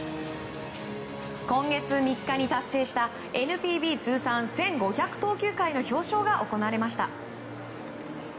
今月３日に達成したＮＰＢ通算１５００投球回の表彰が行われました。